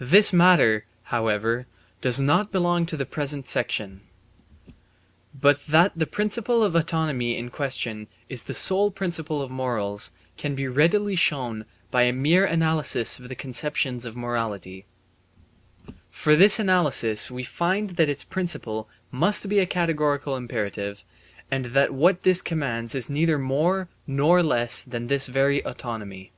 This matter, however, does not belong to the present section. But that the principle of autonomy in question is the sole principle of morals can be readily shown by mere analysis of the conceptions of morality. For by this analysis we find that its principle must be a categorical imperative and that what this commands is neither more nor less than this very autonomy.